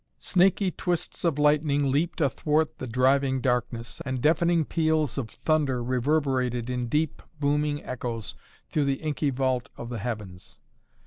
Snaky twists of lightning leaped athwart the driving darkness, and deafening peals of thunder reverberated in deep, booming echoes through the inky vault of the heavens.